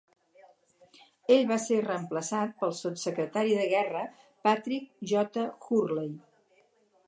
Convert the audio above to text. Ell va ser reemplaçat pel sotssecretari de guerra Patrick J. Hurley.